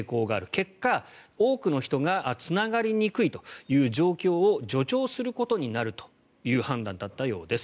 結果、多くの人がつながりにくいという状況を助長することになるという判断だったようです。